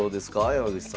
山口さん。